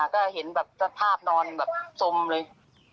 ก็เห็นแบบสภาพนอนแบบสมเลย